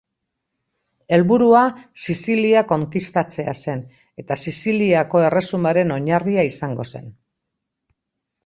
Helburua Sizilia konkistatzea zen eta Siziliako Erresumaren oinarria izango zen.